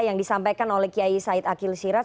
yang disampaikan oleh kiai said akil siraj